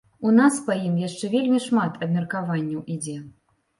У нас па ім яшчэ вельмі шмат абмеркаванняў ідзе.